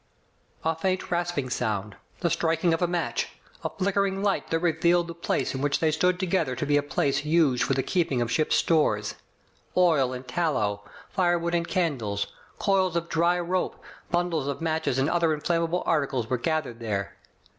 A faint rasping sound. The striking of a match. A flickering light that revealed the place in which they stood together to be a place used for the keeping of ship's stores. Oil and tallow, firewood and candles, coils of dry rope, bundles of matches and other inflammable articles were gathered there.